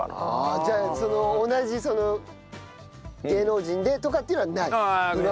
じゃあその同じ芸能人でとかっていうのはない？